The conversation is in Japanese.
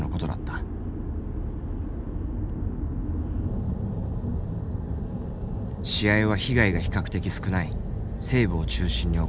試合は被害が比較的少ない西部を中心に行われていた。